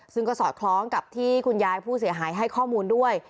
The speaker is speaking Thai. ซึ่งก็สอดคล้องกับที่คุณยายผู้เสียหายให้ข้อมูลด้วย